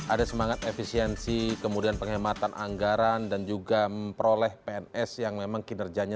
ada semangat efisiensi kemudian penghematan anggaran dan juga memperoleh pns yang memang kinerjanya